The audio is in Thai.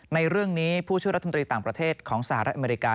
ในเรื่องนี้ผู้ช่วยรัฐมนตรีต่างประเทศของสหรัฐอเมริกา